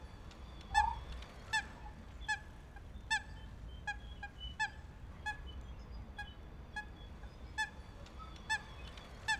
Su caparazón es erizado con largos y afilados picos.